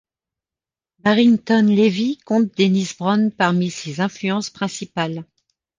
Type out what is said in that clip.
Barrington Levy compte Dennis Brown parmi ses influences principales.